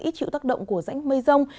ít chịu tác động của dãnh mây rông